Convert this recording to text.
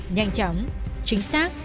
nhanh chóng chính xác